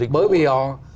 bởi vì họ